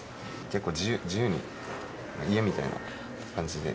結構、自由に家みたいな感じで。